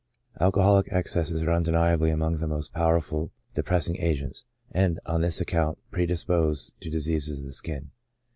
Alcoholic excesses are undeniably among the most power ful depressing agents, and on this account predispose to dis eases of the skin.